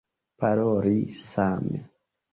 Paroli same.